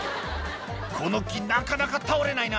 「この木なかなか倒れないな」